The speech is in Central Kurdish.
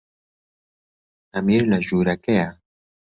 ئەمیر لە ژوورەکەیە.